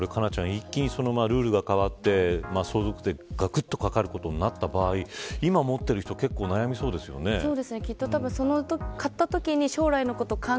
一気にルールが変わって相続税、がくっとかかることになった場合今、持っている人結構、悩みそうですよね。